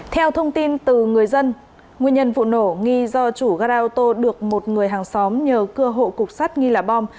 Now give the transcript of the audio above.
theo thông tin từ người dân nguyên nhân vụ nổ nghi do chủ gara ô tô được một người hàng xóm nhờ cưa hộ cục sắt nghi là bom